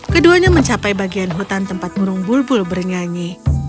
keduanya mencapai bagian hutan tempat burung bulbul bernyanyi